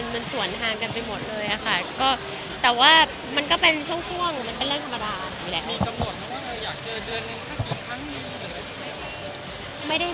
มันสวนทางกันไปหมดเลยค่ะก็แต่ว่ามันก็เป็นช่วงมันเป็นเรื่องธรรมดานี่แหละ